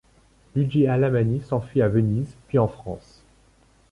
Luigi Alamanni s'enfuit à Venise puis en France.